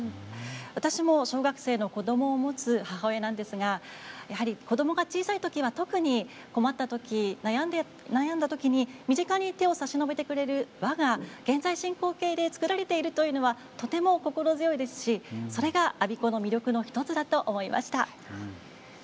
私も小学生の子どもを持つ母親なんですがやはり子どもが小さいときは特に困ったとき、悩んだときに身近に手を差し伸べてくれる輪が現在進行形で作られているというのはとても心強いですしそれが魅力の１つだと思いました。